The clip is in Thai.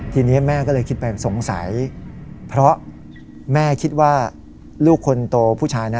ทีนี้แม่ก็เลยคิดไปสงสัยเพราะแม่คิดว่าลูกคนโตผู้ชายนะ